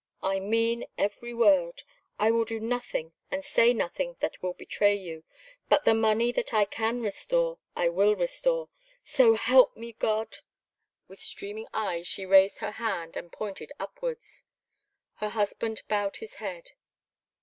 "I mean every word. I will do nothing and say nothing that will betray you. But the money that I can restore, I will restore SO HELP ME, GOD!" With streaming eyes she raised her hand and pointed upwards. Her husband bowed his head.